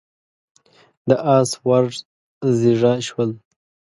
د اس ورږ زيږه شول.